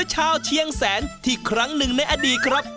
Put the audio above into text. เชียงแสนที่ครั้งหนึ่งในอดีตครับ